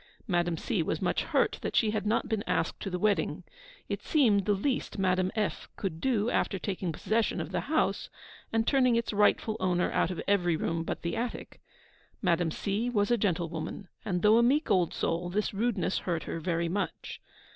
Madame C. was much hurt that she had not been asked to the wedding. It seemed the least Madame F. could do after taking possession of the house, and turning its rightful owner out of every room but the attic. Madame C. was a gentlewoman; and though a meek old soul, this rudeness hurt her very much.